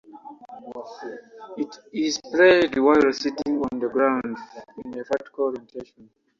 It is played while sitting on the ground in a vertical orientation.